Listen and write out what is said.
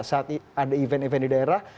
saat ada event event di daerah